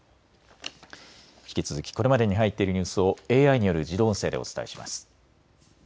引き続きこれまでに入っているニュースをＡＩによる自動音声でお伝えします。